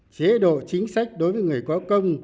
chế độ chính sách đối với người có công